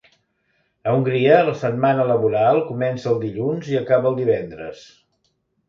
A Hongria, la setmana laboral comença el dilluns i acaba el divendres.